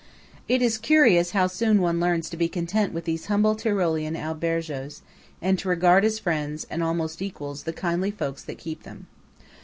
It is curious how soon one learns to be content with these humble Tyrolean albergos, and to regard as friends, and almost as equals, the kindly folks that keep them.